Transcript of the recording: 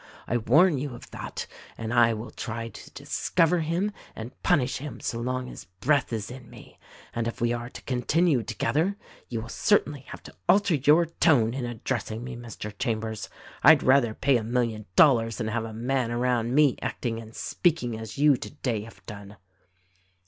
I warn you of that ; and I will try to discover him and punish him so long as breath is in me. And if we are to continue together you will certainly have to alter your tone in addressing me, Mr. Chambers. I'd rather pay a million dollars than have a man around me acting and speak ing as you today have done."